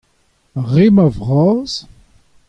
Ar re-mañ vras.